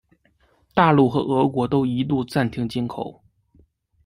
大陆和俄国都一度暂停进口。